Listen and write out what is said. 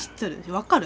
分かる？